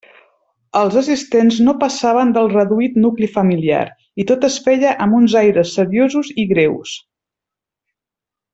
Els assistents no passaven del reduït nucli familiar i tot es feia amb uns aires seriosos i greus.